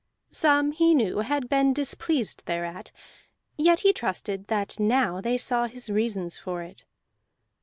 Some, he knew, had been displeased thereat, yet he trusted that now they saw his reasons for it.